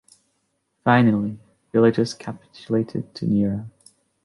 Finally, Villegas capitulated in Neira.